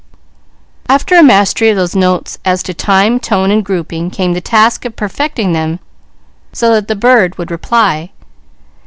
After a mastery of those notes as to time, tone, and grouping, came the task of perfecting them so that the bird would reply.